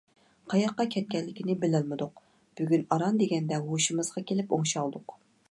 قاياققا كەتكەنلىكىنى بىلەلمىدۇق. بۈگۈن ئاران دېگەندە ھوشىمىزغا كېلىپ ئوڭشالدۇق.